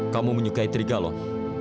kamu menyukai trigalon